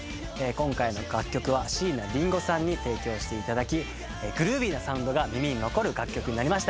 今回の楽曲は椎名林檎さんに提供していただきグルービーなサウンドが耳に残る楽曲になりました